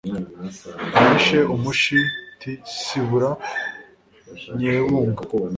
nishe umushi ntsibura nyebunga